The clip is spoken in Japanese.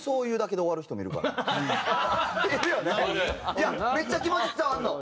いやめっちゃ気持ち伝わるの。